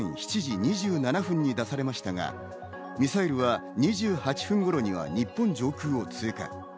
最初のＪアラートは午前７時２７分に出されましたが、ミサイルは２８分頃には日本上空を通過。